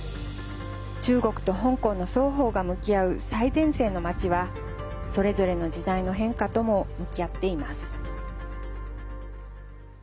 中国と香港の双方が向き合う最前線の街はそれぞれの時代の変化とも向き合っています。